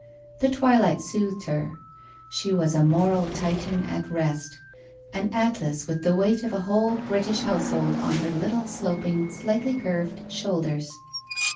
The twilight soothed her, she was a moral Titan at rest, an Atlas with the weight of a whole British household on her little slop ing, slightly curved shoulders.